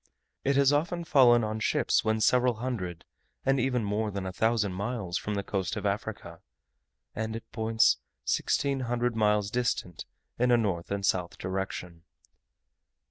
It has often fallen on ships when several hundred, and even more than a thousand miles from the coast of Africa, and at points sixteen hundred miles distant in a north and south direction.